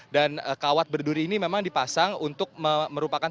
dan kawat berduri ini memang dipasang untuk merupakan